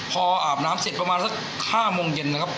พออาบน้ำเสร็จประมาณสัก๕โมงเย็นนะครับ